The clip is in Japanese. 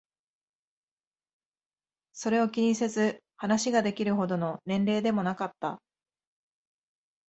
それを気にせず話ができるほどの年齢でもなかった。